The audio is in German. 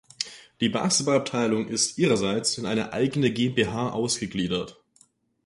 Die Basketball-Abteilung ist ihrerseits in eine eigene GmbH ausgegliedert.